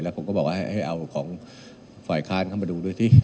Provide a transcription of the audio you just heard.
ผมก็บอกว่าให้เอาของฝ่ายค้านเข้ามาดูด้วยสิ